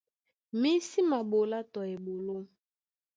Mí sí maɓolá tɔ eɓoló.